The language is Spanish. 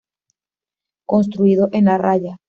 Construido en La Raya.